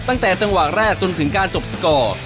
ตั้งแต่จังหวะแรกจนถึงการจบสกอร์